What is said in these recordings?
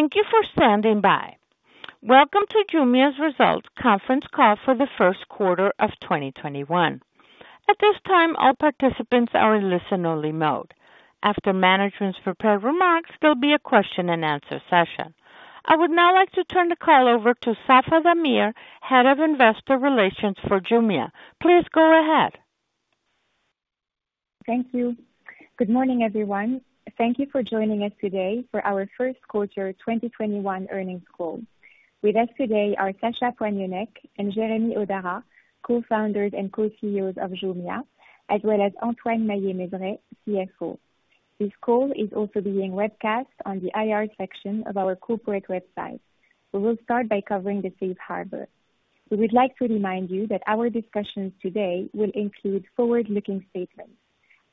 Thank you for standing by. Welcome to Jumia's Results Conference Call for the First Quarter of 2021. At this time, all participants are in listen only mode. After management's prepared remarks, there will be a question and answer session. I would now like to turn the call over to Safae Damir, Head of Investor Relations for Jumia. Please go ahead. Thank you. Good morning, everyone. Thank you for joining us today for our first quarter 2021 earnings call. With us today are Sacha Poignonnec and Jeremy Hodara, co-founders and co-CEOs of Jumia, as well as Antoine Maillet-Mezeray, CFO. This call is also being webcast on the IR section of our corporate website. We will start by covering the safe harbor. We would like to remind you that our discussions today will include forward-looking statements.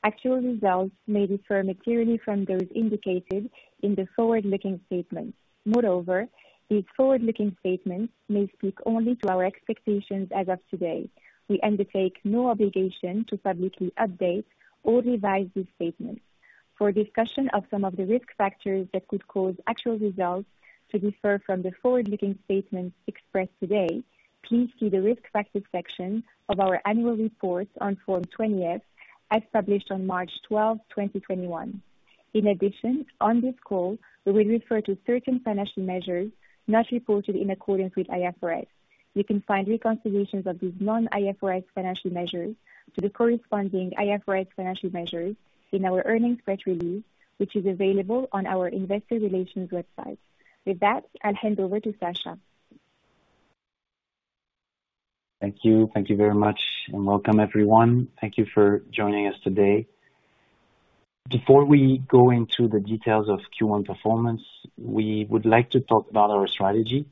Actual results may differ materially from those indicated in the forward-looking statements. Moreover, these forward-looking statements may speak only to our expectations as of today. We undertake no obligation to publicly update or revise these statements. For a discussion of some of the risk factors that could cause actual results to differ from the forward-looking statements expressed today, please see the risk factors section of our annual reports on Form 20-F, as published on March 12, 2021. On this call, we will refer to certain financial measures not reported in accordance with IFRS. You can find reconciliations of these non-IFRS financial measures to the corresponding IFRS financial measures in our earnings press release, which is available on our investor relations website. With that, I'll hand over to Sacha. Thank you. Thank you very much and welcome everyone. Thank you for joining us today. Before we go into the details of Q1 performance, we would like to talk about our strategy.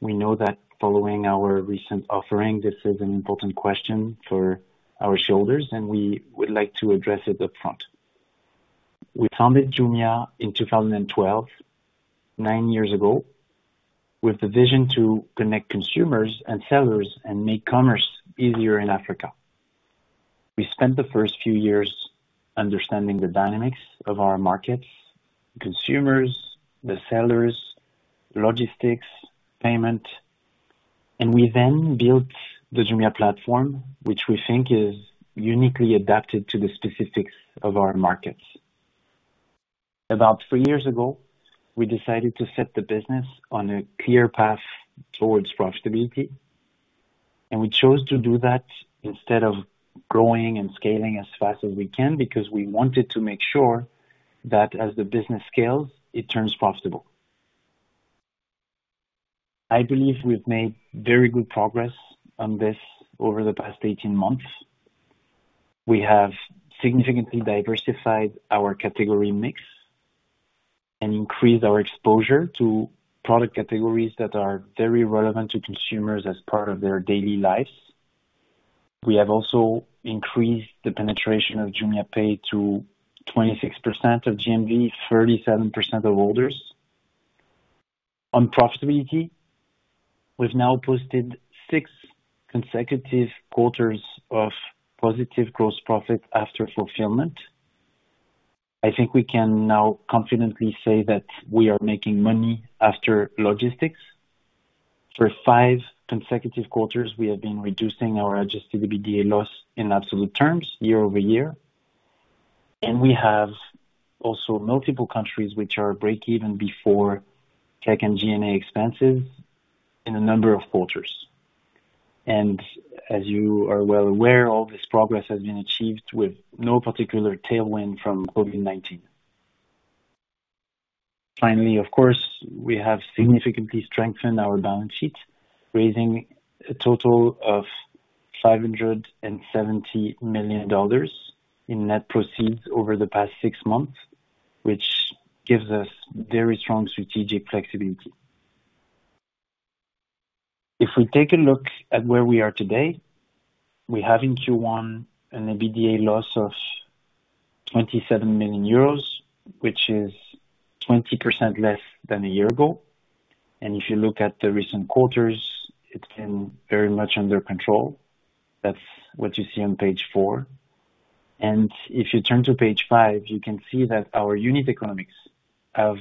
We know that following our recent offering, this is an important question for our shareholders, and we would like to address it upfront. We founded Jumia in 2012, nine years ago, with the vision to connect consumers and sellers and make commerce easier in Africa. We spent the first few years understanding the dynamics of our markets, consumers, the sellers, logistics, payment, and we then built the Jumia platform, which we think is uniquely adapted to the specifics of our markets. About three years ago, we decided to set the business on a clear path towards profitability. We chose to do that instead of growing and scaling as fast as we can because we wanted to make sure that as the business scales, it turns profitable. I believe we've made very good progress on this over the past 18 months. We have significantly diversified our category mix and increased our exposure to product categories that are very relevant to consumers as part of their daily lives. We have also increased the penetration of JumiaPay to 26% of GMV, 37% of orders. On profitability, we've now posted six consecutive quarters of positive gross profit after fulfillment. I think we can now confidently say that we are making money after logistics. For five consecutive quarters, we have been reducing our adjusted EBITDA loss in absolute terms year-over-year. We have also multiple countries which are breakeven before CAC and G&A expenses in a number of quarters. As you are well aware, all this progress has been achieved with no particular tailwind from COVID-19. Finally, of course, we have significantly strengthened our balance sheet, raising a total of EUR 570 million in net proceeds over the past six months, which gives us very strong strategic flexibility. If we take a look at where we are today, we have in Q1 an EBITDA loss of 27 million euros, which is 20% less than a year ago. If you look at the recent quarters, it's been very much under control. That's what you see on page four. If you turn to page five, you can see that our unit economics have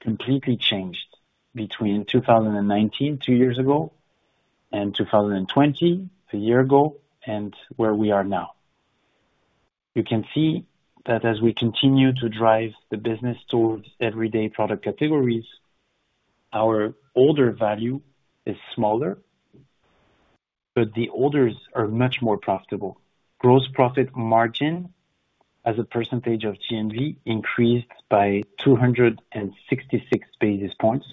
completely changed between 2019, two years ago, and 2020, a year ago, and where we are now. You can see that as we continue to drive the business towards everyday product categories, our order value is smaller, but the orders are much more profitable. Gross profit margin as a percentage of GMV increased by 266 basis points.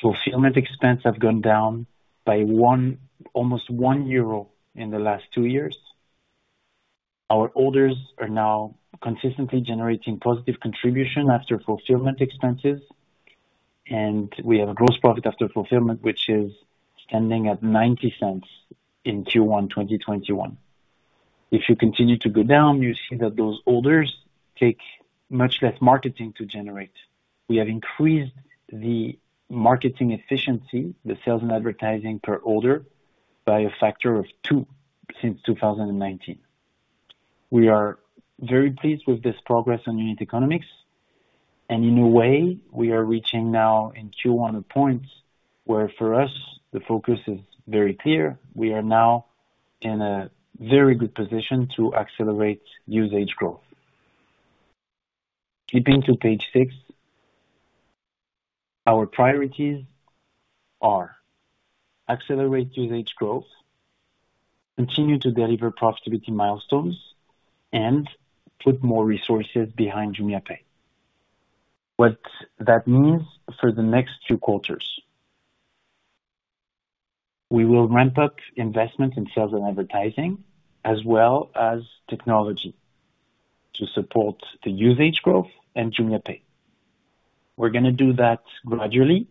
Fulfillment expense have gone down by almost 1 euro in the last two years. Our orders are now consistently generating positive contribution after fulfillment expenses, and we have a gross profit after fulfillment, which is standing at 0.90 in Q1 2021. If you continue to go down, you see that those orders take much less marketing to generate. We have increased the marketing efficiency, the sales and advertising per order, by a factor of two since 2019. We are very pleased with this progress on unit economics, and in a way, we are reaching now in Q1 a point where for us the focus is very clear. We are now in a very good position to accelerate usage growth. Flipping to page six. Our priorities are accelerate usage growth, continue to deliver profitability milestones, and put more resources behind JumiaPay. What that means for the next two quarters, we will ramp up investment in sales and advertising as well as technology to support the usage growth and JumiaPay. We're going to do that gradually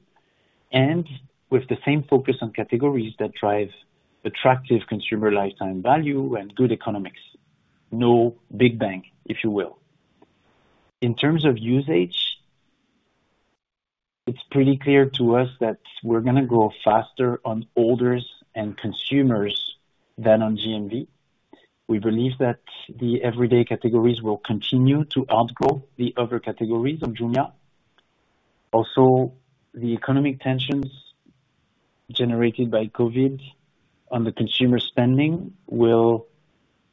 and with the same focus on categories that drive attractive consumer lifetime value and good economics. No big bang, if you will. In terms of usage, it's pretty clear to us that we're going to grow faster on orders and consumers than on GMV. We believe that the everyday categories will continue to outgrow the other categories on Jumia. Also, the economic tensions generated by COVID on the consumer spending will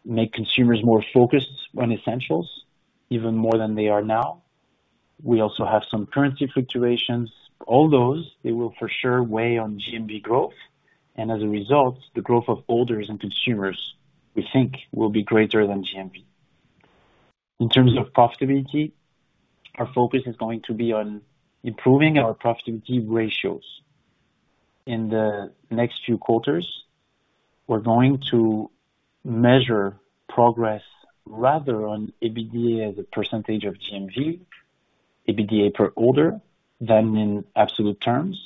make consumers more focused on essentials, even more than they are now. We also have some currency fluctuations. All those, they will for sure weigh on GMV growth, and as a result, the growth of orders and consumers, we think will be greater than GMV. In terms of profitability, our focus is going to be on improving our profitability ratios. In the next few quarters, we're going to measure progress rather on EBITDA as a percentage of GMV, EBITDA per order, than in absolute terms.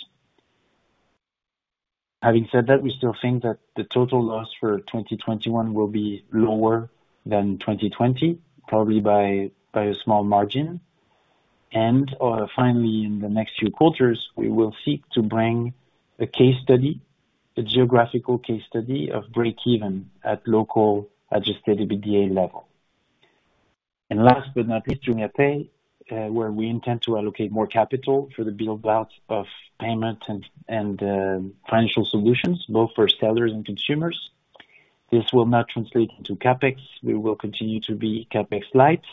Having said that, we still think that the total loss for 2021 will be lower than 2020, probably by a small margin, finally, in the next few quarters, we will seek to bring a case study, a geographical case study of break-even at local adjusted EBITDA level. Last but not least, JumiaPay, where we intend to allocate more capital for the build-out of payment and financial solutions, both for sellers and consumers. This will not translate into CapEx. We will continue to be CapEx light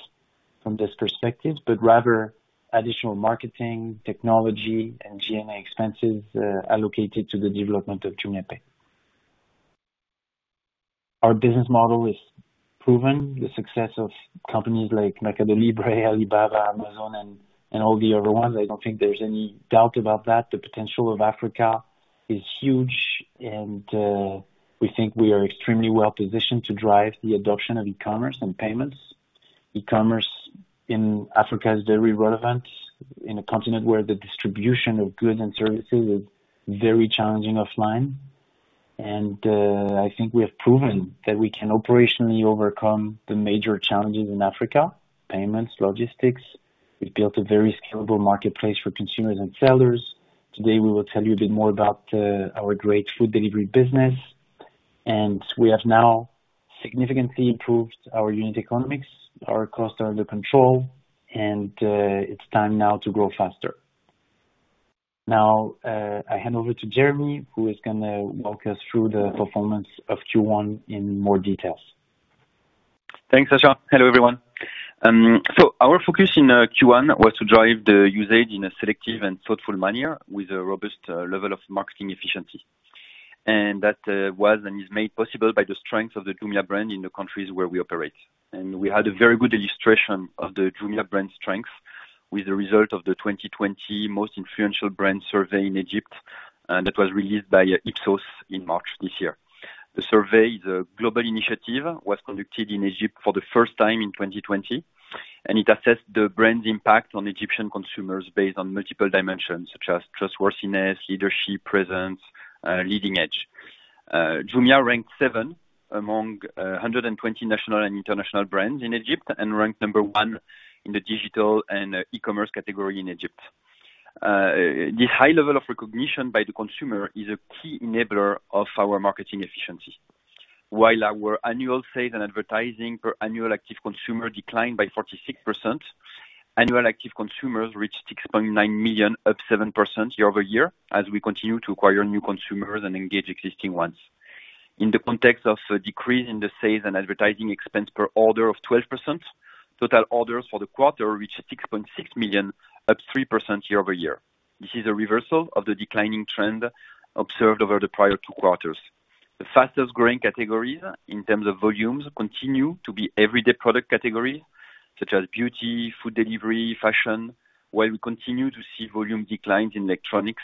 from this perspective, but rather additional marketing, technology, and G&A expenses allocated to the development of JumiaPay. Our business model is proven. The success of companies like MercadoLibre, Alibaba, Amazon, and all the other ones, I don't think there's any doubt about that. The potential of Africa is huge, and we think we are extremely well-positioned to drive the adoption of e-commerce and payments. E-commerce in Africa is very relevant in a continent where the distribution of goods and services is very challenging offline. I think we have proven that we can operationally overcome the major challenges in Africa, payments, logistics. We've built a very scalable marketplace for consumers and sellers. Today, we will tell you a bit more about our great food delivery business, and we have now significantly improved our unit economics. Our costs are under control, and it's time now to grow faster. Now, I hand over to Jeremy, who is going to walk us through the performance of Q1 in more details. Thanks, Sacha. Hello, everyone. Our focus in Q1 was to drive the usage in a selective and thoughtful manner with a robust level of marketing efficiency. That was and is made possible by the strength of the Jumia brand in the countries where we operate. We had a very good illustration of the Jumia brand strength with the result of the 2020 Most Influential Brand Survey in Egypt, that was released by Ipsos in March this year. The survey, the Global Initiative, was conducted in Egypt for the first time in 2020, and it assessed the brand impact on Egyptian consumers based on multiple dimensions, such as trustworthiness, leadership presence, leading edge. Jumia ranked seventh among 120 national and international brands in Egypt and ranked number 1 in the digital and e-commerce category in Egypt. This high level of recognition by the consumer is a key enabler of our marketing efficiency. While our annual sales and advertising per annual active consumer declined by 46%, annual active consumers reached 6.9 million, up 7% year-over-year, as we continue to acquire new consumers and engage existing ones. In the context of a decrease in the sales and advertising expense per order of 12%, total orders for the quarter reached 6.6 million, up 3% year-over-year. This is a reversal of the declining trend observed over the prior two quarters. The fastest-growing categories in terms of volumes continue to be everyday product category, such as beauty, food delivery, fashion, while we continue to see volume declines in electronics,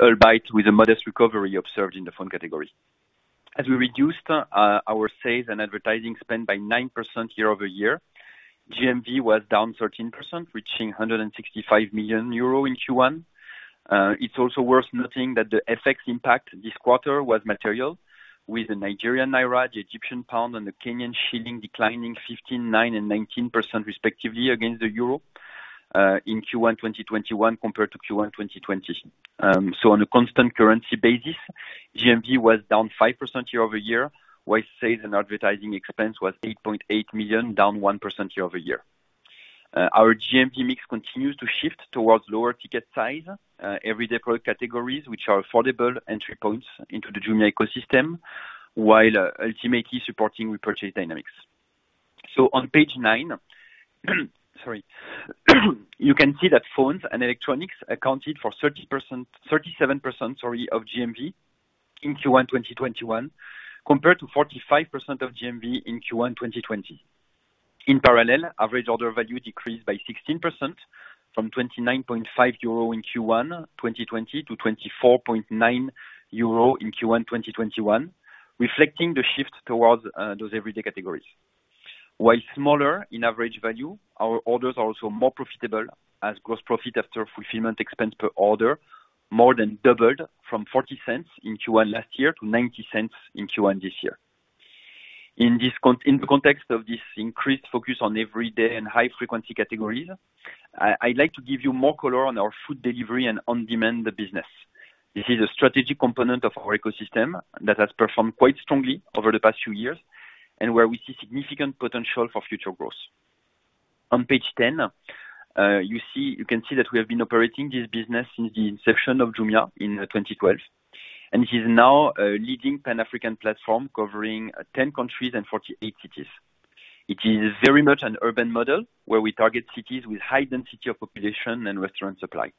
albeit with a modest recovery observed in the phone category. As we reduced our sales and advertising spend by 9% year-over-year, GMV was down 13%, reaching 165 million euro in Q1. It's also worth noting that the FX impact this quarter was material, with the Nigerian naira, the Egyptian pound, and the Kenyan shilling declining 15%, 9%, and 19% respectively against the EUR in Q1 2021 compared to Q1 2020. On a constant currency basis, GMV was down 5% year-over-year, while sales and advertising expense was 8.8 million, down 1% year-over-year. Our GMV mix continues to shift towards lower ticket size, everyday product categories, which are affordable entry points into the Jumia ecosystem, while ultimately supporting repurchase dynamics. On page nine you can see that phones and electronics accounted for 37% of GMV in Q1 2021, compared to 45% of GMV in Q1 2020. In parallel, average order value decreased by 16%, from 29.5 euro in Q1 2020 to 24.9 euro in Q1 2021, reflecting the shift towards those everyday categories. While smaller in average value, our orders are also more profitable, as gross profit after fulfillment expense per order more than doubled from 0.40 in Q1 last year to 0.90 in Q1 this year. In the context of this increased focus on everyday and high-frequency categories, I'd like to give you more color on our food delivery and on-demand business. This is a strategic component of our ecosystem that has performed quite strongly over the past few years, and where we see significant potential for future growth. On page 10, you can see that we have been operating this business since the inception of Jumia in 2012, and it is now a leading Pan-African platform covering 10 countries and 48 cities. It is very much an urban model, where we target cities with high density of population and restaurant supply.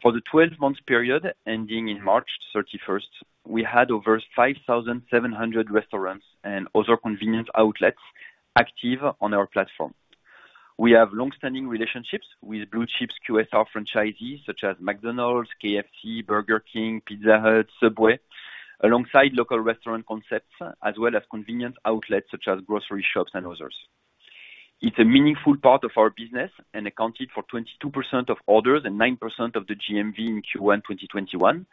For the 12-month period ending in March 31st, we had over 5,700 restaurants and other convenience outlets active on our platform. We have longstanding relationships with blue-chip QSR franchisees such as McDonald's, KFC, Burger King, Pizza Hut, Subway, alongside local restaurant concepts, as well as convenience outlets such as grocery shops and others. It's a meaningful part of our business and accounted for 22% of orders and 9% of the GMV in Q1 2021.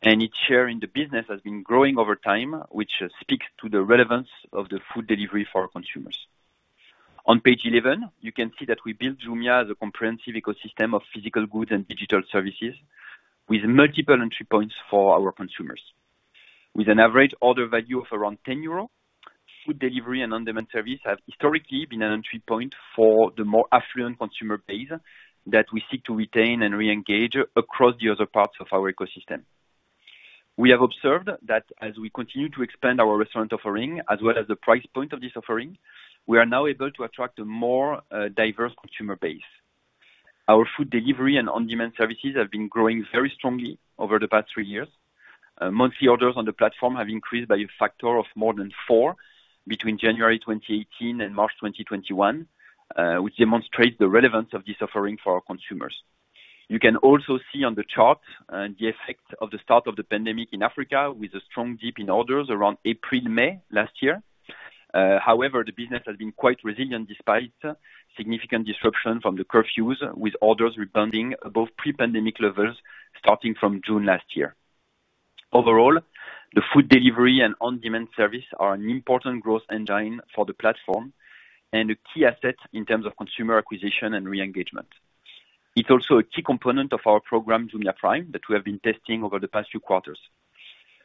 Its share in the business has been growing over time, which speaks to the relevance of the food delivery for our consumers. On page 11, you can see that we built Jumia as a comprehensive ecosystem of physical goods and digital services, with multiple entry points for our consumers. With an average order value of around 10 euros, food delivery and on-demand service have historically been an entry point for the more affluent consumer base that we seek to retain and reengage across the other parts of our ecosystem. We have observed that as we continue to expand our restaurant offering, as well as the price point of this offering, we are now able to attract a more diverse consumer base. Our food delivery and on-demand services have been growing very strongly over the past three years. Monthly orders on the platform have increased by a factor of more than four between January 2018 and March 2021, which demonstrates the relevance of this offering for our consumers. You can also see on the chart the effect of the start of the pandemic in Africa with a strong dip in orders around April, May last year. However, the business has been quite resilient despite significant disruption from the curfews, with orders rebounding above pre-pandemic levels starting from June last year. Overall, the food delivery and on-demand service are an important growth engine for the platform and a key asset in terms of consumer acquisition and re-engagement. It's also a key component of our program, Jumia Prime, that we have been testing over the past few quarters.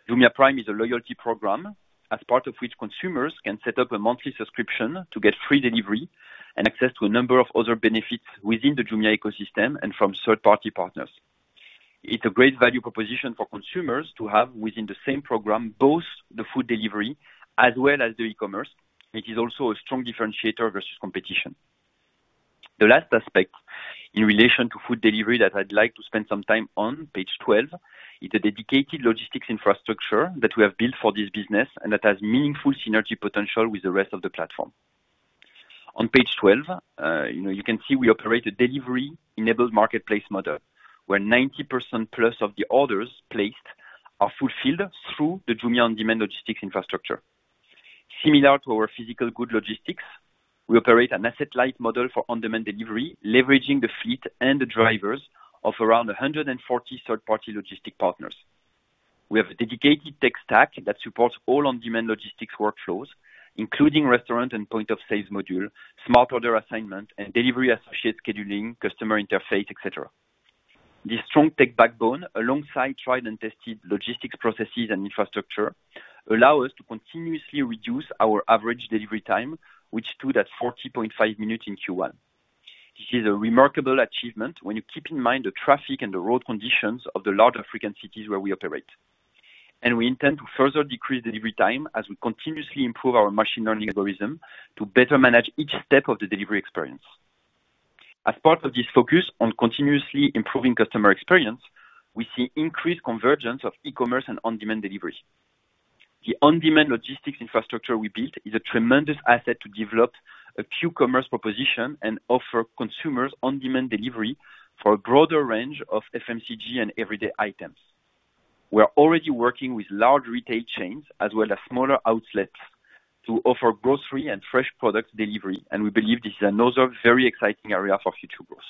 Jumia Prime is a loyalty program, as part of which consumers can set up a monthly subscription to get free delivery and access to a number of other benefits within the Jumia ecosystem and from third-party partners. It's a great value proposition for consumers to have within the same program, both the food delivery as well as the e-commerce. It is also a strong differentiator versus competition. The last aspect in relation to food delivery that I'd like to spend some time on, page 12, is the dedicated logistics infrastructure that we have built for this business and that has meaningful synergy potential with the rest of the platform. On page 12, you can see we operate a delivery-enabled marketplace model, where 90%+ of the orders placed are fulfilled through the Jumia on-demand logistics infrastructure. Similar to our physical goods logistics, we operate an asset-light model for on-demand delivery, leveraging the fleet and the drivers of around 140 third-party logistic partners. We have a dedicated tech stack that supports all on-demand logistics workflows, including restaurant and point-of-sales module, smart order assignment, and delivery associate scheduling, customer interface, et cetera. This strong tech backbone, alongside tried and tested logistics processes and infrastructure, allow us to continuously reduce our average delivery time, which stood at 40.5 minutes in Q1. This is a remarkable achievement when you keep in mind the traffic and the road conditions of the large African cities where we operate. We intend to further decrease delivery time as we continuously improve our machine learning algorithm to better manage each step of the delivery experience. As part of this focus on continuously improving customer experience, we see increased convergence of e-commerce and on-demand delivery. The on-demand logistics infrastructure we built is a tremendous asset to develop a q-commerce proposition and offer consumers on-demand delivery for a broader range of FMCG and everyday items. We are already working with large retail chains, as well as smaller outlets, to offer grocery and fresh product delivery, and we believe this is another very exciting area for future growth.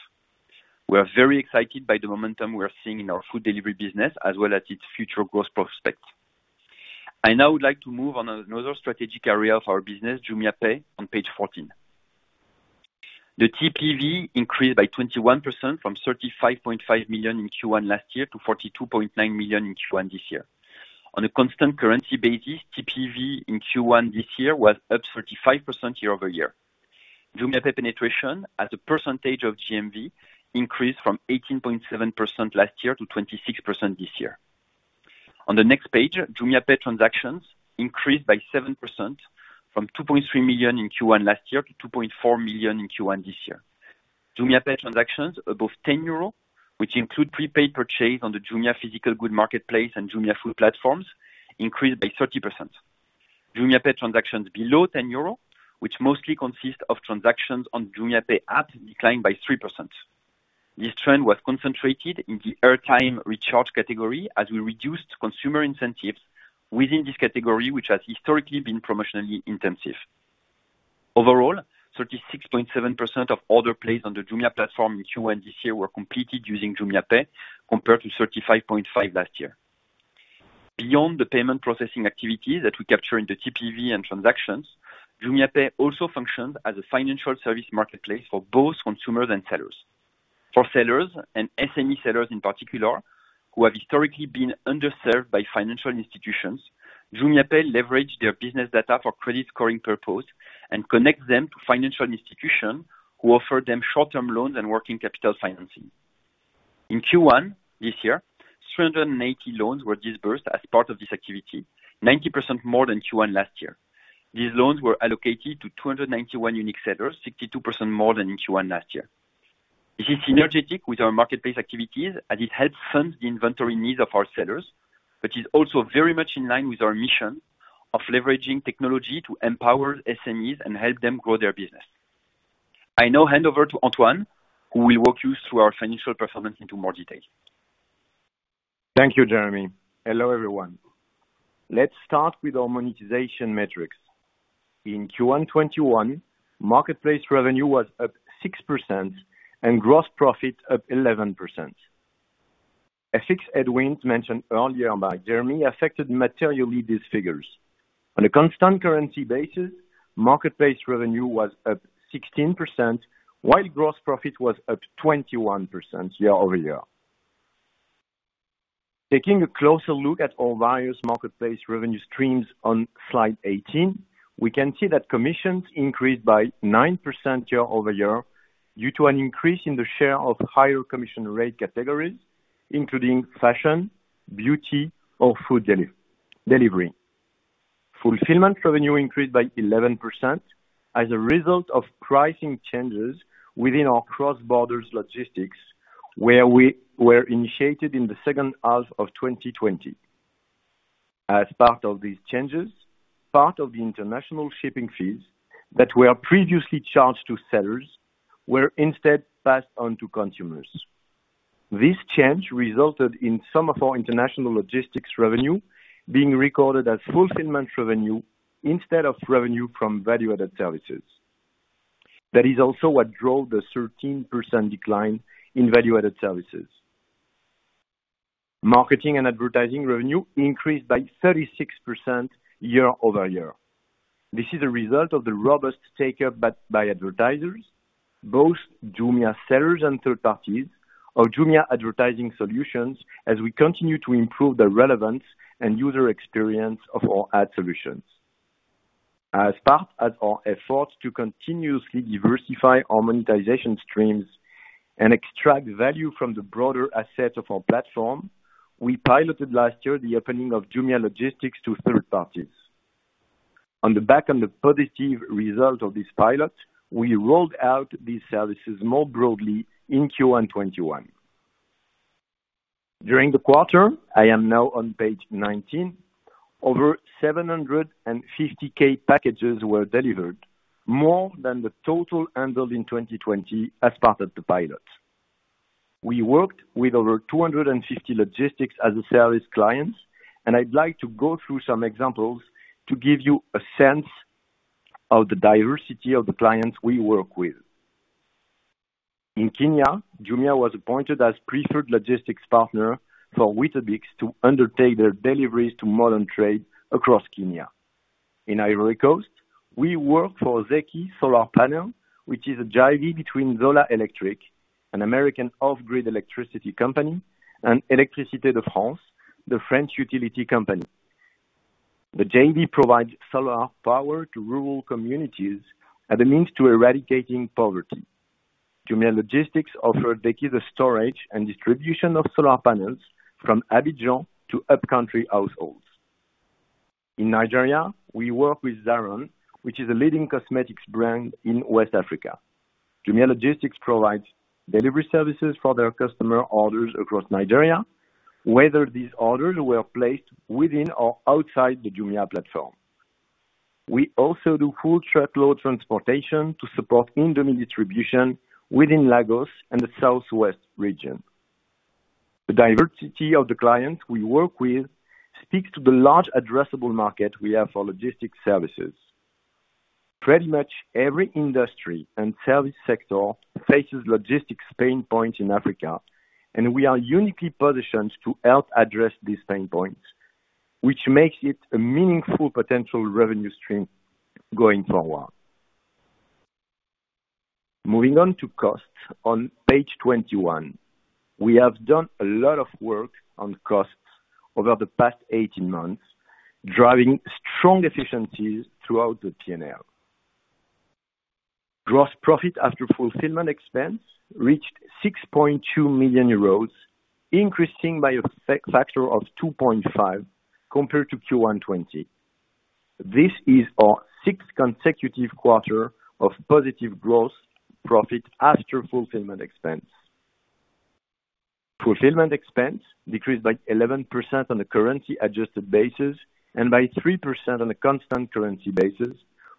We are very excited by the momentum we are seeing in our food delivery business as well as its future growth prospects. I now would like to move on another strategic area of our business, JumiaPay, on page 14. The TPV increased by 21% from 35.5 million in Q1 last year to 42.9 million in Q1 this year. On a constant currency basis, TPV in Q1 this year was up 35% year-over-year. JumiaPay penetration as a percentage of GMV increased from 18.7% last year to 26% this year. On the next page, JumiaPay transactions increased by 7%, from 2.3 million in Q1 last year to 2.4 million in Q1 this year. JumiaPay transactions above 10 euros, which include prepaid purchase on the Jumia physical goods marketplace and Jumia Food platforms, increased by 30%. JumiaPay transactions below 10 euro, which mostly consist of transactions on JumiaPay app, declined by 3%. This trend was concentrated in the airtime recharge category as we reduced consumer incentives within this category, which has historically been promotionally intensive. Overall, 36.7% of order placed on the Jumia platform in Q1 this year were completed using JumiaPay, compared to 35.5% last year. Beyond the payment processing activity that we capture in the TPV and transactions, JumiaPay also functioned as a financial service marketplace for both consumers and sellers. For sellers, and SME sellers in particular, who have historically been underserved by financial institutions, JumiaPay leveraged their business data for credit scoring purpose and connect them to financial institution who offer them short-term loans and working capital financing. In Q1 this year, 380 loans were disbursed as part of this activity, 90% more than Q1 last year. These loans were allocated to 291 unique sellers, 62% more than in Q1 last year. This is synergetic with our marketplace activities as it helps fund the inventory needs of our sellers, is also very much in line with our mission of leveraging technology to empower SMEs and help them grow their business. I now hand over to Antoine, who will walk you through our financial performance into more detail. Thank you, Jeremy. Hello, everyone. Let's start with our monetization metrics. In Q1 2021, marketplace revenue was up 6% and gross profit up 11%. FX headwinds mentioned earlier by Jeremy affected materially these figures. On a constant currency basis, marketplace revenue was up 16%, while gross profit was up 21% year-over-year. Taking a closer look at our various marketplace revenue streams on slide 18, we can see that commissions increased by 9% year-over-year due to an increase in the share of higher commission rate categories, including fashion, beauty, or food delivery. Fulfillment revenue increased by 11% as a result of pricing changes within our cross-border logistics, where we were initiated in the second half of 2020. As part of these changes, part of the international shipping fees that were previously charged to sellers were instead passed on to consumers. This change resulted in some of our international logistics revenue being recorded as fulfillment revenue instead of revenue from value-added services. That is also what drove the 13% decline in value-added services. Marketing and advertising revenue increased by 36% year-over-year. This is a result of the robust take-up by advertisers, both Jumia sellers and third parties, our Jumia Advertising solutions as we continue to improve the relevance and user experience of our ad solutions. As part of our efforts to continuously diversify our monetization streams and extract value from the broader assets of our platform, we piloted last year the opening of Jumia Logistics to third parties. On the back of the positive result of this pilot, we rolled out these services more broadly in Q1 2021. During the quarter, I am now on page 19, over 750,000 packages were delivered, more than the total handled in 2020 as part of the pilot. We worked with over 250 Logistics as a service clients, and I'd like to go through some examples to give you a sense of the diversity of the clients we work with. In Kenya, Jumia was appointed as preferred logistics partner for Weetabix to undertake their deliveries to modern trade across Kenya. In Ivory Coast, we work for ZECI, which is a JV between ZOLA Electric, an American off-grid electricity company, and Électricité de France, the French utility company. The JV provides solar power to rural communities as a means to eradicating poverty. Jumia Logistics offered ZECI the storage and distribution of solar panels from Abidjan to upcountry households. In Nigeria, we work with Zaron, which is a leading cosmetics brand in West Africa. Jumia Logistics provides delivery services for their customer orders across Nigeria, whether these orders were placed within or outside the Jumia platform. We also do full truckload transportation to support in-domain distribution within Lagos and the southwest region. The diversity of the clients we work with speak to the large addressable market we have for logistic services. Pretty much every industry and service sector faces logistics pain points in Africa, and we are uniquely positioned to help address these pain points, which makes it a meaningful potential revenue stream going forward. Moving on to costs on page 21. We have done a lot of work on costs over the past 18 months, driving strong efficiencies throughout the P&L. Gross profit after fulfillment expense reached 6.2 million euros, increasing by a factor of 2.5% compared to Q1 2020. This is our sixth consecutive quarter of positive gross profit after fulfillment expense. Fulfillment expense decreased by 11% on a currency adjusted basis and by 3% on a constant currency basis,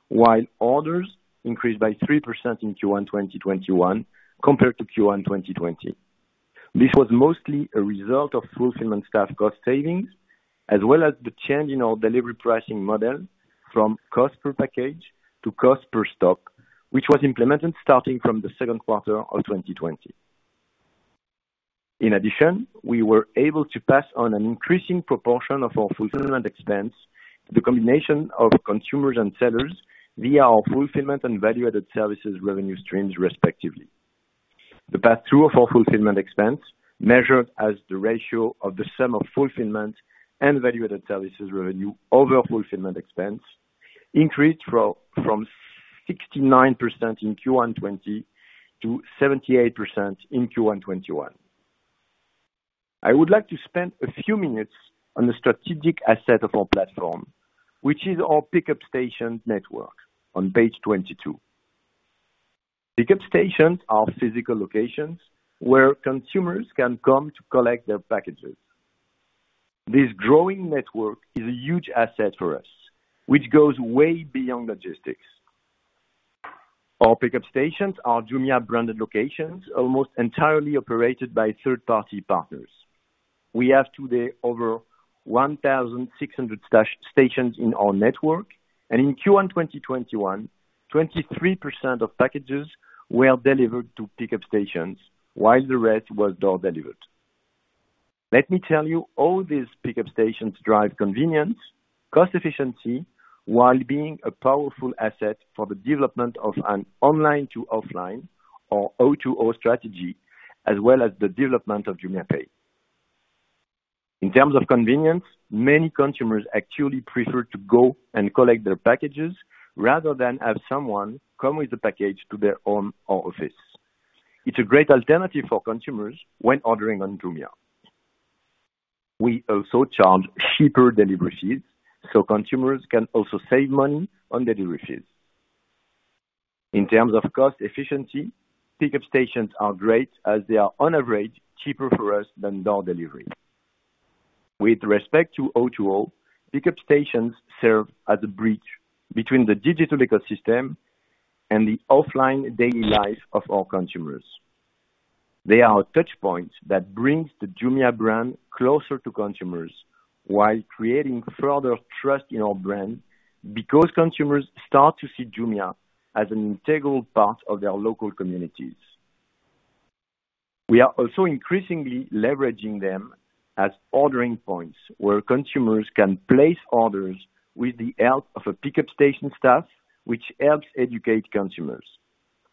while orders increased by 3% in Q1 2021 compared to Q1 2020. This was mostly a result of fulfillment staff cost savings, as well as the change in our delivery pricing model from cost per package to cost per stop, which was implemented starting from the second quarter of 2020. In addition, we were able to pass on an increasing proportion of our fulfillment expense, the combination of consumers and sellers via our fulfillment and value-added services revenue streams, respectively. The pass through of our fulfillment expense, measured as the ratio of the sum of fulfillment and value-added services revenue over fulfillment expense, increased from 69% in Q1 2020 to 78% in Q1 2021. I would like to spend a few minutes on the strategic asset of our platform, which is our pickup station network on page 22. Pickup stations are physical locations where consumers can come to collect their packages. This growing network is a huge asset for us, which goes way beyond logistics. Our pickup stations are Jumia-branded locations, almost entirely operated by third-party partners. We have today over 1,600 stations in our network, and in Q1 2021, 23% of packages were delivered to pickup stations while the rest was door delivered. Let me tell you how these pickup stations drive convenience, cost efficiency, while being a powerful asset for the development of an online to offline or O2O strategy, as well as the development of JumiaPay. In terms of convenience, many consumers actually prefer to go and collect their packages rather than have someone come with the package to their home or office. It's a great alternative for consumers when ordering on Jumia. We also charge cheaper delivery fees, so consumers can also save money on delivery fees. In terms of cost efficiency, pickup stations are great as they are on average cheaper for us than door delivery. With respect to O2O, pickup stations serve as a bridge between the digital ecosystem and the offline daily life of our consumers. They are a touch point that brings the Jumia brand closer to consumers while creating further trust in our brand because consumers start to see Jumia as an integral part of their local communities. We are also increasingly leveraging them as ordering points where consumers can place orders with the help of a pickup station staff, which helps educate consumers.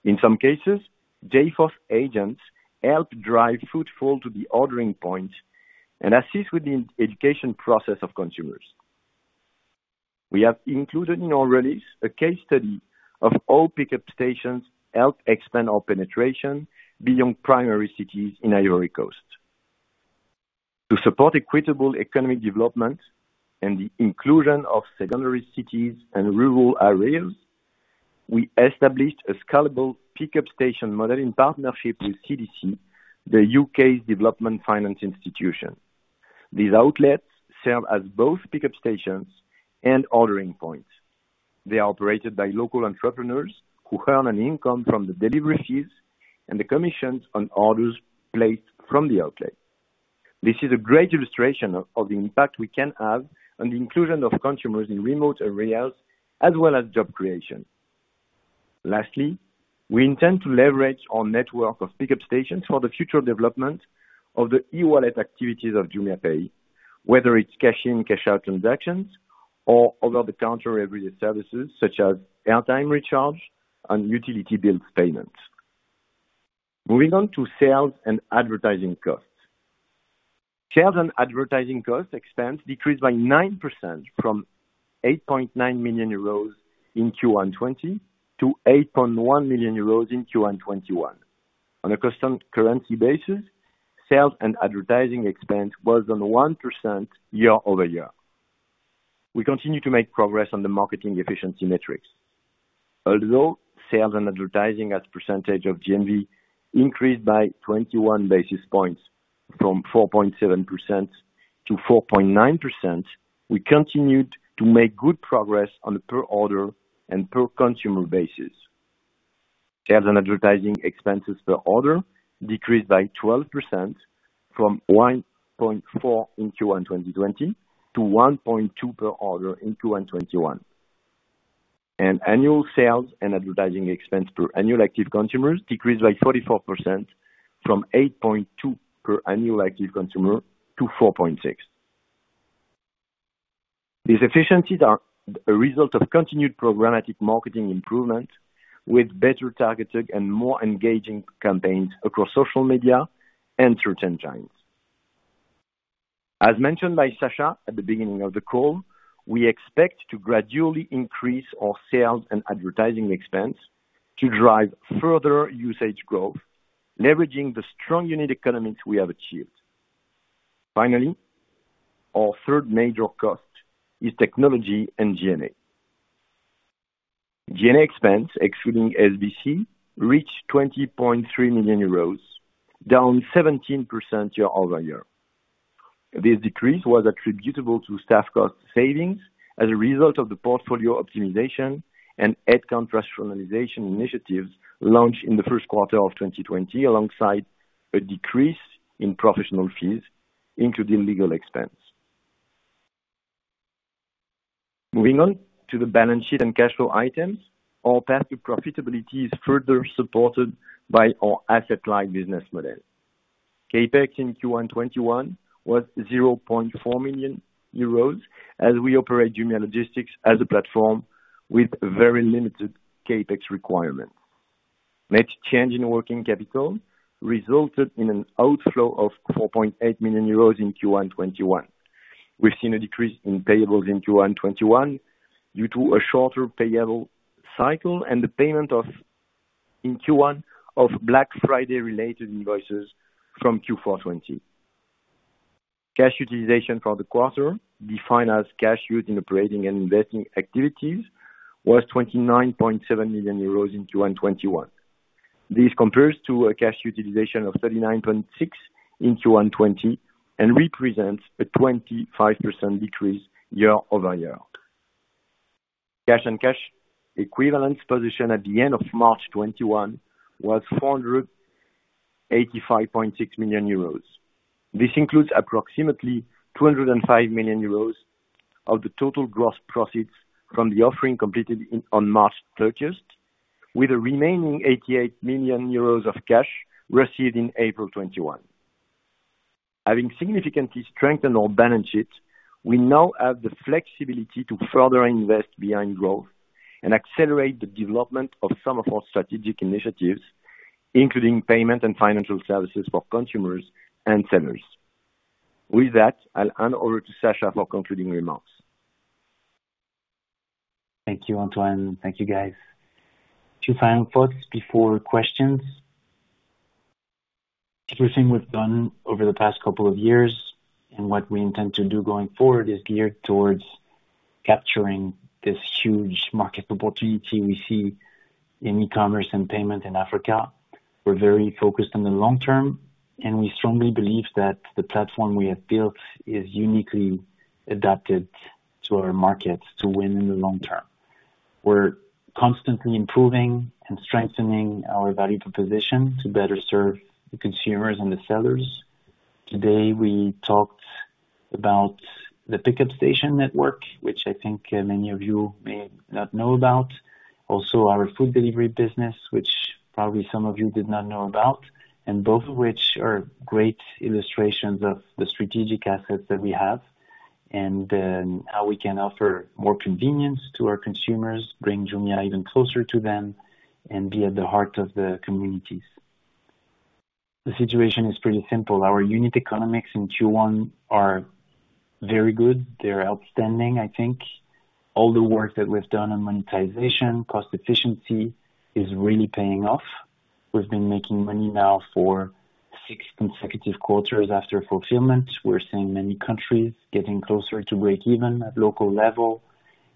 In some cases, JForce agents help drive footfall to the ordering points and assist with the education process of consumers. We have included in our release a case study of how pickup stations help expand our penetration beyond primary cities in Ivory Coast. To support equitable economic development and the inclusion of secondary cities and rural areas, we established a scalable pickup station model in partnership with CDC, the U.K.'s development finance institution. These outlets serve as both pickup stations and ordering points. They are operated by local entrepreneurs who earn an income from the delivery fees and the commissions on orders placed from the outlet. This is a great illustration of the impact we can have on the inclusion of consumers in remote areas, as well as job creation. Lastly, we intend to leverage our network of pickup stations for the future development of the e-wallet activities of JumiaPay, whether it's cash-in, cash-out transactions or over-the-counter everyday services such as airtime recharge and utility bill payments. Moving on to sales and advertising costs. Sales and advertising cost expense decreased by 9% from 8.9 million euros in Q1 2020 to 8.1 million euros in Q1 2021. On a constant currency basis, sales and advertising expense was down 1% year-over-year. We continue to make progress on the marketing efficiency metrics. Although sales and advertising as percentage of GMV increased by 21 basis points from 4.7%-4.9%, we continued to make good progress on a per order and per consumer basis. Sales and advertising expenses per order decreased by 12%, from 1.4 in Q1 2020 to 1.2 per order in Q1 2021. Annual sales and advertising expense per annual active consumers decreased by 34%, from 8.2 per annual active consumer to 4.6. These efficiencies are a result of continued programmatic marketing improvement, with better targeted and more engaging campaigns across social media and through search engines. As mentioned by Sacha at the beginning of the call, we expect to gradually increase our sales and advertising expense to drive further usage growth, leveraging the strong unit economics we have achieved. Finally, our third major cost is technology and G&A. G&A expense, excluding SBC, reached 20.3 million euros, down 17% year-over-year. This decrease was attributable to staff cost savings as a result of the portfolio optimization and head count rationalization initiatives launched in the first quarter of 2020, alongside a decrease in professional fees into the legal expense. Moving on to the balance sheet and cash flow items. Our path to profitability is further supported by our asset-light business model. CapEx in Q1 2021 was 0.4 million euros, as we operate Jumia Logistics as a platform with very limited CapEx requirement. Net change in working capital resulted in an outflow of 4.8 million euros in Q1 2021. We've seen a decrease in payables in Q1 2021 due to a shorter payable cycle and the payment in Q1 of Black Friday-related invoices from Q4 2020. Cash utilization for the quarter, defined as cash used in operating and investing activities, was 29.7 million euros in Q1 2021. This compares to a cash utilization of 39.6 million in Q1 2020 and represents a 25% decrease year-over-year. Cash and cash equivalents position at the end of March 2021 was 485.6 million euros. This includes approximately 205 million euros of the total gross proceeds from the offering completed on March 30th, with a remaining 88 million euros of cash received in April 2021. Having significantly strengthened our balance sheet, we now have the flexibility to further invest behind growth and accelerate the development of some of our strategic initiatives, including payment and financial services for consumers and sellers. With that, I'll hand over to Sacha for concluding remarks. Thank you, Antoine. Thank you, guys. Two final thoughts before questions. Everything we've done over the past couple of years and what we intend to do going forward is geared towards capturing this huge market opportunity we see in e-commerce and payment in Africa. We're very focused on the long term, and we strongly believe that the platform we have built is uniquely adapted to our markets to win in the long term. We're constantly improving and strengthening our value proposition to better serve the consumers and the sellers. Today, we talked about the pickup station network, which I think many of you may not know about. Also, our Jumia Food business, which probably some of you did not know about, and both of which are great illustrations of the strategic assets that we have and then how we can offer more convenience to our consumers, bring Jumia even closer to them, and be at the heart of the communities. The situation is pretty simple. Our unit economics in Q1 are very good. They're outstanding, I think. All the work that we've done on monetization, cost efficiency is really paying off. We've been making money now for six consecutive quarters after fulfillment. We're seeing many countries getting closer to break even at local level.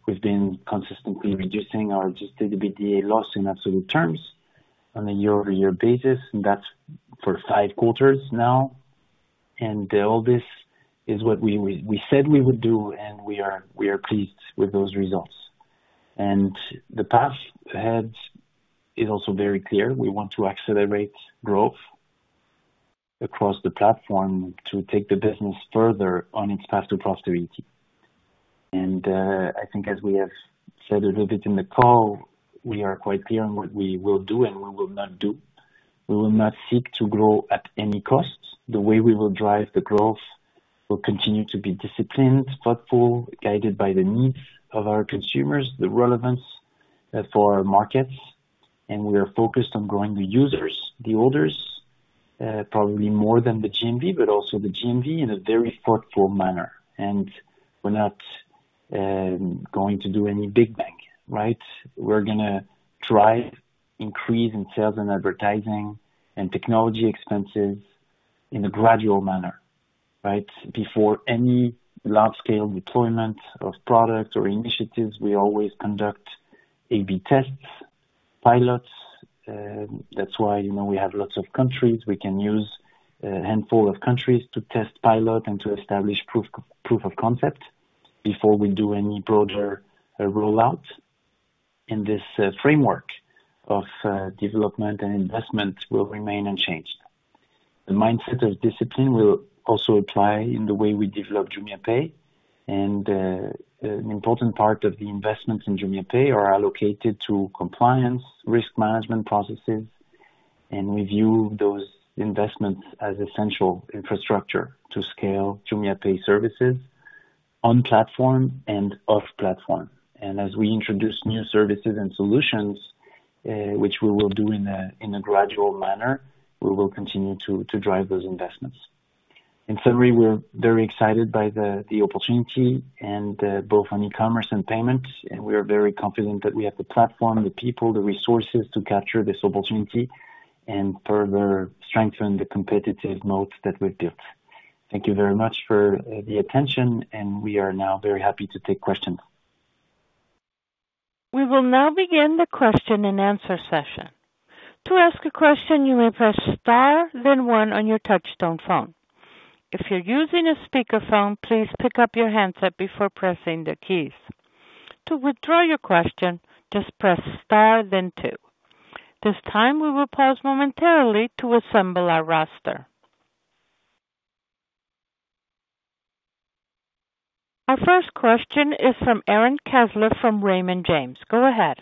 We've been consistently reducing our adjusted EBITDA loss in absolute terms on a year-over-year basis, and that's for five quarters now. All this is what we said we would do, and we are pleased with those results. The path ahead is also very clear. We want to accelerate growth across the platform to take the business further on its path to profitability. I think as we have said a little bit in the call, we are quite clear on what we will do and what we will not do. We will not seek to grow at any cost. The way we will drive the growth will continue to be disciplined, thoughtful, guided by the needs of our consumers, the relevance for our markets, and we are focused on growing the users, the orders, probably more than the GMV, but also the GMV in a very thoughtful manner. We're not going to do any big bang. We're gonna drive increase in sales and advertising and technology expenses in a gradual manner. Before any large scale deployment of products or initiatives, we always conduct A/B tests, pilots. That's why we have lots of countries. We can use a handful of countries to test, pilot, and to establish proof of concept before we do any broader rollout. This framework of development and investment will remain unchanged. The mindset of discipline will also apply in the way we develop JumiaPay. An important part of the investment in JumiaPay are allocated to compliance, risk management processes, and we view those investments as essential infrastructure to scale JumiaPay services on-platform and off-platform. As we introduce new services and solutions, which we will do in a gradual manner, we will continue to drive those investments. In summary, we're very excited by the opportunity, both on e-commerce and payments, and we are very confident that we have the platform, the people, the resources to capture this opportunity and further strengthen the competitive moats that we've built. Thank you very much for the attention. We are now very happy to take questions. We will now begin the question and answer session. To ask a question, you may press star, then one on your touchtone phone. If you're using a speakerphone, please pick up your handset before pressing the keys. To withdraw your question, just press star, then two. This time, we will pause momentarily to assemble our roster. Our first question is from Aaron Kessler from Raymond James. Go ahead.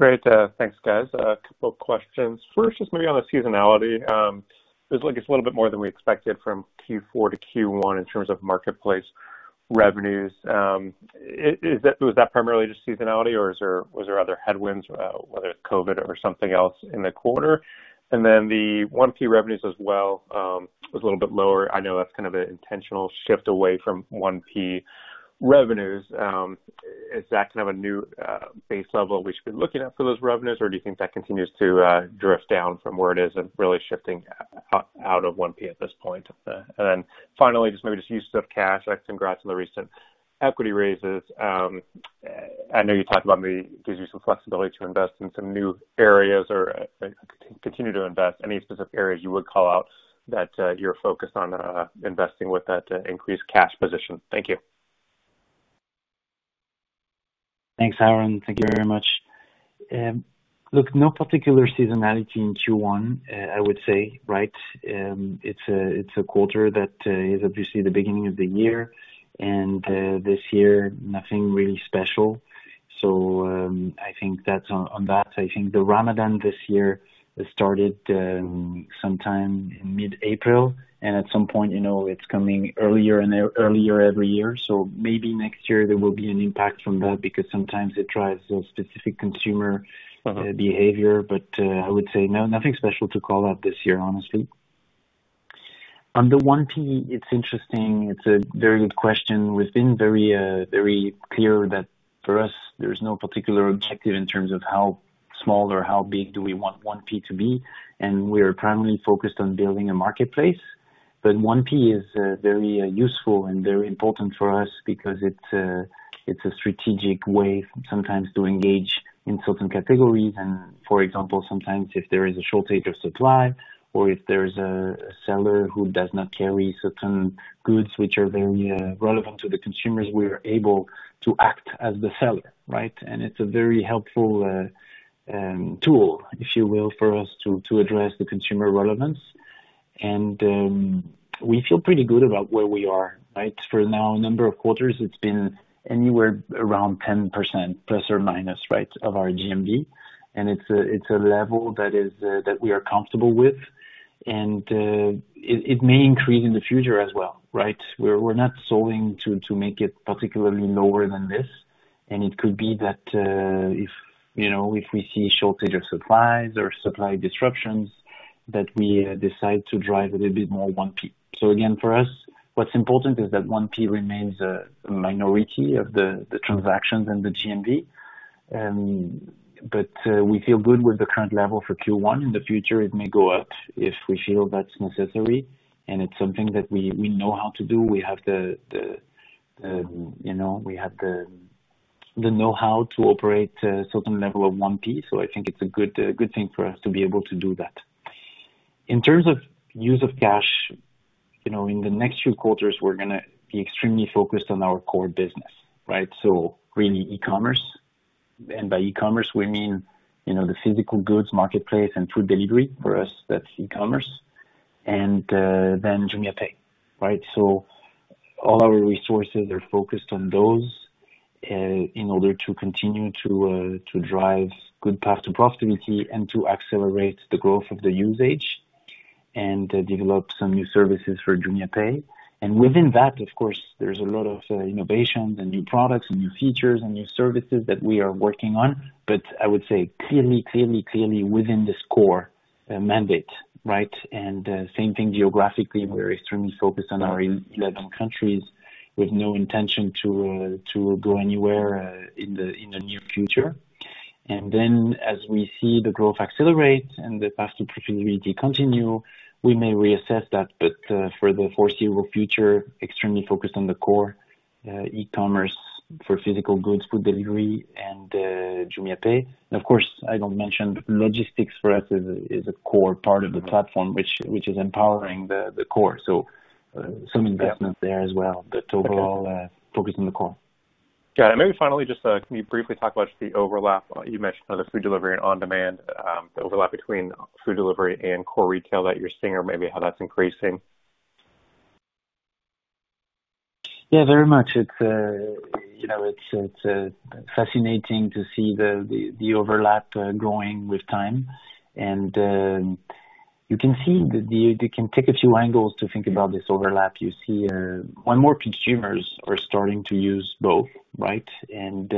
Great. Thanks, guys. A couple of questions. Maybe on the seasonality. It's a little bit more than we expected from Q4 to Q1 in terms of marketplace revenues. Was that primarily just seasonality, or was there other headwinds, whether COVID or something else in the quarter? The 1P revenues as well was a little bit lower. I know that's kind of an intentional shift away from 1P revenues. Is that kind of a new base level we should be looking at for those revenues? Do you think that continues to drift down from where it is and really shifting out of 1P at this point? Finally, just maybe use of cash. Congrats on the recent equity raises. I know you talked about maybe it gives you some flexibility to invest in some new areas or continue to invest. Any specific areas you would call out that you're focused on investing with that increased cash position? Thank you. Thanks, Aaron. Thank you very much. No particular seasonality in Q1, I would say. It's a quarter that is obviously the beginning of the year, and this year, nothing really special. I think that's on that. I think the Ramadan this year started sometime in mid-April, and at some point, it's coming earlier and earlier every year. Maybe next year there will be an impact from that because sometimes it drives a specific consumer behavior. I would say no, nothing special to call out this year, honestly. On the 1P, it's interesting. It's a very good question. We've been very clear that for us, there's no particular objective in terms of how small or how big do we want 1P to be, and we're primarily focused on building a marketplace. 1P is very useful and very important for us because it's a strategic way sometimes to engage in certain categories. For example, sometimes if there is a shortage of supply or if there's a seller who does not carry certain goods which are very relevant to the consumers, we're able to act as the seller. It's a very helpful tool, if you will, for us to address the consumer relevance. We feel pretty good about where we are. For now, a number of quarters, it's been anywhere around 10%, plus or minus, of our GMV, it's a level that we are comfortable with. It may increase in the future as well. We're not solving to make it particularly lower than this. It could be that if we see shortage of supplies or supply disruptions, that we decide to drive a little bit more 1P. Again, for us, what's important is that 1P remains a minority of the transactions and the GMV. We feel good with the current level for Q1. In the future, it may go up if we feel that's necessary, and it's something that we know how to do. We have the know-how to operate a certain level of 1P. I think it's a good thing for us to be able to do that. In terms of use of cash, in the next few quarters, we're going to be extremely focused on our core business. Really, e-commerce. By e-commerce, we mean the physical goods marketplace and food delivery. For us, that's e-commerce, then JumiaPay. All our resources are focused on those in order to continue to drive good path to profitability and to accelerate the growth of the usage and develop some new services for JumiaPay. Within that, of course, there's a lot of innovations and new products and new features and new services that we are working on. I would say clearly within this core mandate. Same thing geographically, we're extremely focused on our 11 countries with no intention to go anywhere in the near future. As we see the growth accelerate and the path to profitability continue, we may reassess that. For the foreseeable future, extremely focused on the core e-commerce for physical goods, food delivery, and JumiaPay. Of course, I don't mention logistics for us is a core part of the platform, which is empowering the core. Some investment there as well, but overall, focused on the core. Got it. Maybe finally, just can you briefly talk about just the overlap you mentioned on the food delivery and on-demand, the overlap between food delivery and core retail that you're seeing or maybe how that's increasing? Yeah, very much. It's fascinating to see the overlap growing with time. You can take a few angles to think about this overlap. You see more and more consumers are starting to use both, right? In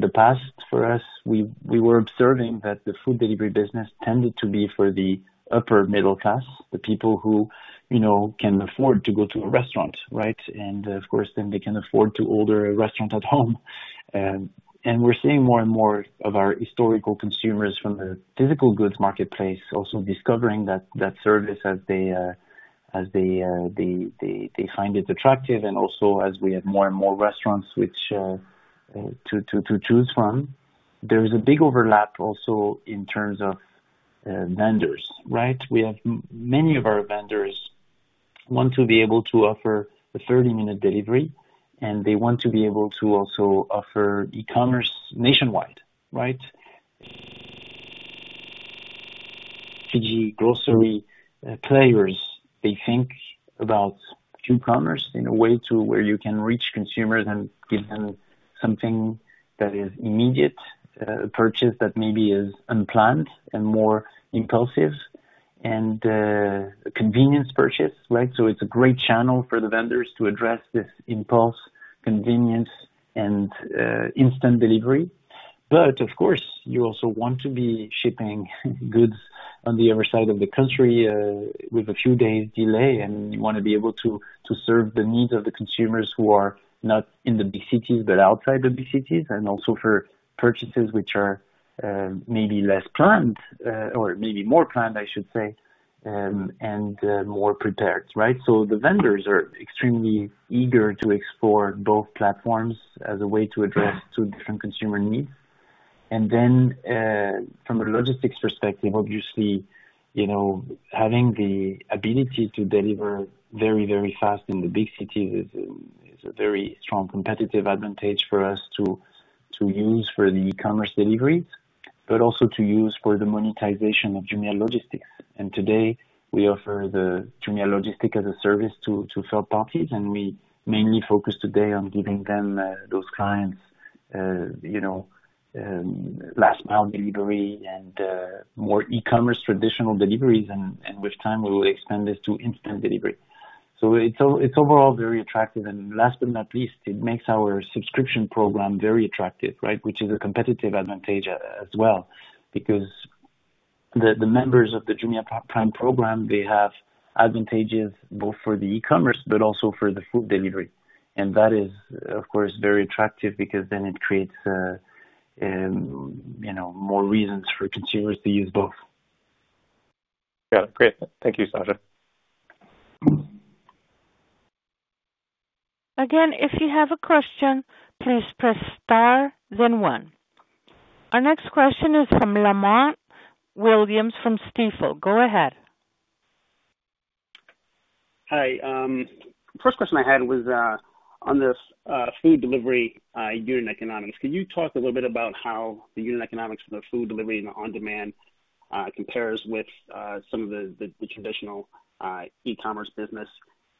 the past, for us, we were observing that the food delivery business tended to be for the upper middle class, the people who can afford to go to a restaurant, right? Of course, then they can afford to order a restaurant at home. We're seeing more and more of our historical consumers from the physical goods marketplace also discovering that service as they find it attractive and also as we add more and more restaurants to choose from. There is a big overlap also in terms of vendors, right? Many of our vendors want to be able to offer a 30-minute delivery, and they want to be able to also offer e-commerce nationwide, right? CPG grocery players, they think about Q-commerce in a way to where you can reach consumers and give them something that is immediate purchase, that maybe is unplanned and more impulsive, and a convenience purchase, right? It's a great channel for the vendors to address this impulse, convenience, and instant delivery. Of course, you also want to be shipping goods on the other side of the country with a few days delay, and you want to be able to serve the needs of the consumers who are not in the big cities, but outside the big cities, and also for purchases which are maybe less planned, or maybe more planned, I should say, and more prepared, right? The vendors are extremely eager to explore both platforms as a way to address two different consumer needs. From a logistics perspective, obviously, having the ability to deliver very, very fast in the big cities is a very strong competitive advantage for us to use for the e-commerce deliveries, but also to use for the monetization of Jumia Logistics. Today, we offer the Jumia Logistics as a service to third parties, and we mainly focus today on giving those clients last mile delivery and more e-commerce traditional deliveries, and with time, we will expand this to instant delivery. It's overall very attractive. Last but not least, it makes our subscription program very attractive, right. Which is a competitive advantage as well, because the members of the Jumia Prime program, they have advantages both for the e-commerce but also for the food delivery. That is, of course, very attractive because it creates more reasons for consumers to use both. Yeah. Great. Thank you, Sacha. Again, if you have a question, please press star then one. Our next question is from Lamont Williams from Stifel. Go ahead. Hi. First question I had was on this food delivery unit economics. Can you talk a little bit about how the unit economics for the food delivery and the on-demand compares with some of the traditional e-commerce business?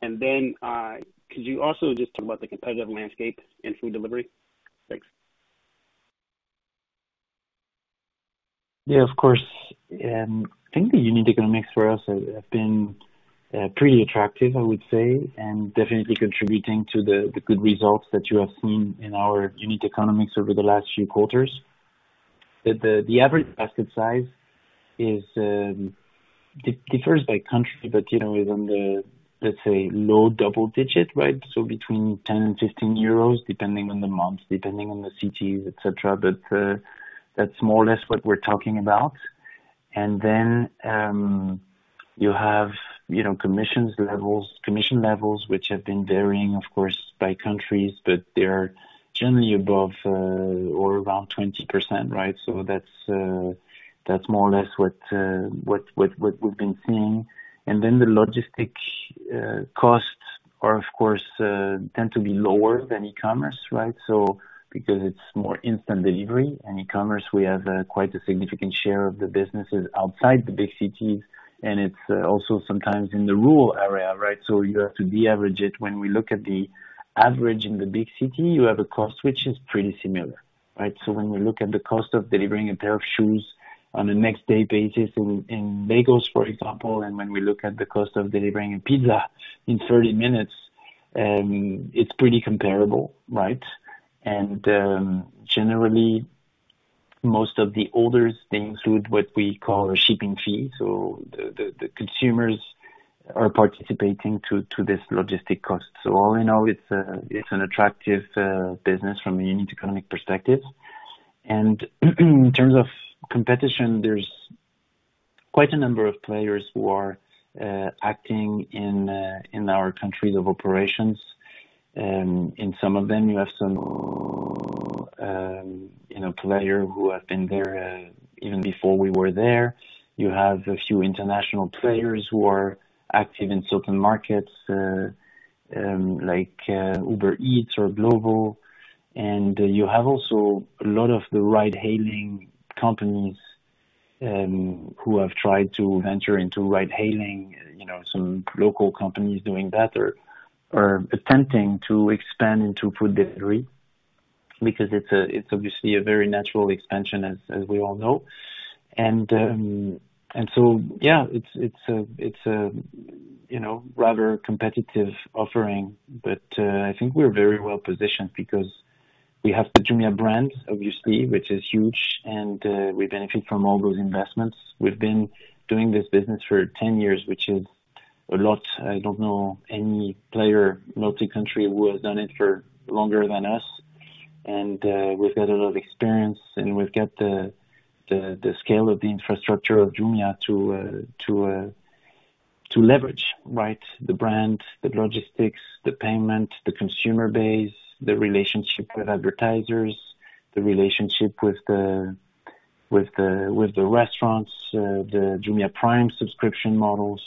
Could you also just talk about the competitive landscape in food delivery? Thanks. Yeah, of course. I think the unit economics for us have been pretty attractive, I would say, and definitely contributing to the good results that you have seen in our unit economics over the last few quarters. The average basket size differs by country, but within the, let's say, low double digit, right? Between 10 and 15 euros, depending on the month, depending on the cities, et cetera. That's more or less what we're talking about. You have commission levels, which have been varying, of course, by countries, but they're generally above or around 20%, right? That's more or less what we've been seeing. The logistic costs, of course, tend to be lower than e-commerce, right? Because it's more instant delivery. In e-commerce, we have quite a significant share of the businesses outside the big cities, and it's also sometimes in the rural area, right? You have to de-average it. When we look at the average in the big city, you have a cost, which is pretty similar, right? When we look at the cost of delivering a pair of shoes on a next day basis in Lagos, for example, and when we look at the cost of delivering a pizza in 30 minutes, it's pretty comparable, right? Generally, most of the orders include what we call a shipping fee. The consumers are participating to this logistic cost. All in all, it's an attractive business from a unit economic perspective. In terms of competition, there's quite a number of players who are acting in our countries of operations. In some of them, you have some players who have been there even before we were there. You have a few international players who are active in certain markets, like Uber Eats or Glovo. You have also a lot of the ride-hailing companies who have tried to venture into ride hailing, some local companies doing that or attempting to expand into food delivery because it's obviously a very natural expansion, as we all know. Yeah, it's a rather competitive offering. I think we're very well-positioned because we have the Jumia brand, obviously, which is huge, and we benefit from all those investments. We've been doing this business for 10 years, which is a lot. I don't know any player, multi-country, who has done it for longer than us. We've got a lot of experience, and we've got the scale of the infrastructure of Jumia to leverage, right? The brand, the logistics, the payment, the consumer base, the relationship with advertisers, the relationship with the restaurants, the Jumia Prime subscription model.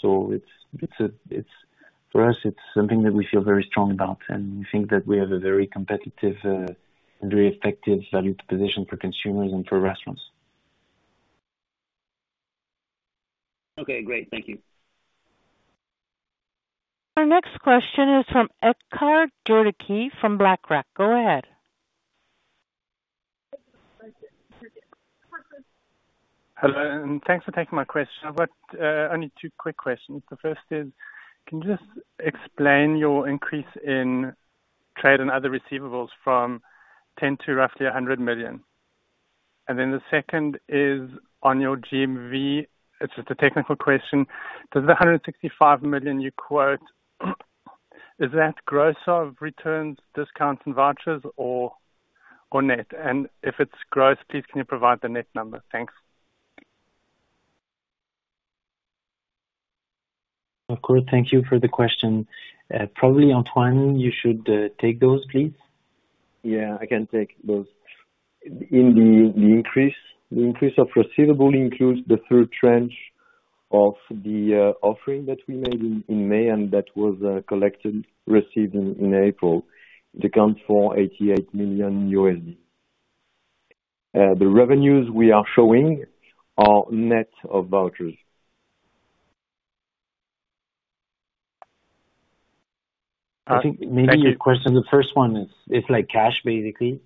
For us, it's something that we feel very strong about, and we think that we have a very competitive and very effective value position for consumers and for restaurants. Okay, great. Thank you. Our next question is from Eckhard Goedeke from BlackRock. Go ahead. Hello, thanks for taking my question. I've got only two quick questions. The first is, can you just explain your increase in trade and other receivables from 10 to roughly 100 million? The second is on your GMV. It's just a technical question. Does the 165 million you quote, is that gross of returns, discounts, and vouchers or net? If it's gross, please can you provide the net number? Thanks. Of course. Thank you for the question. Probably, Antoine, you should take those, please. Yeah, I can take those. The increase of receivable includes the third tranche of the offering that we made in May and that was collected, received in April. It accounts for $88 million. The revenues we are showing are net of vouchers. I think maybe your question, the first one is, it's like cash, basically.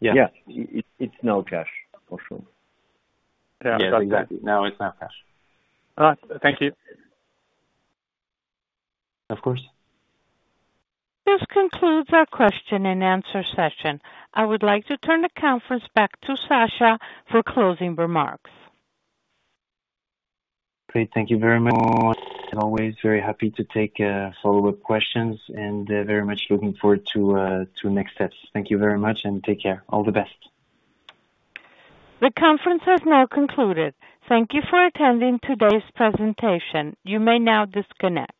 Yeah. It's now cash, for sure. Yeah, exactly. Now it's not cash. All right. Thank you. Of course. This concludes our question and answer session. I would like to turn the conference back to Sacha for closing remarks. Great. Thank you very much. As always, very happy to take follow-up questions, and very much looking forward to next steps. Thank you very much, and take care. All the best. The conference has now concluded. Thank you for attending today's presentation. You may now disconnect.